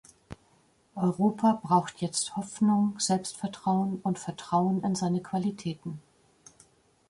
Europa braucht jetzt Hoffnung, Selbstvertrauen und Vertrauen in seine Qualitäten.